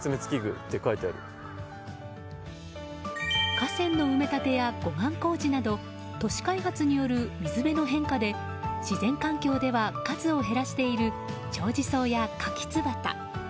河川の埋め立てや護岸工事など都市開発による水辺の変化で自然環境では数を減らしているチョウジソウやカキツバタ。